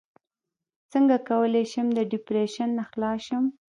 څنګه کولی شم د ډیپریشن نه خلاص شم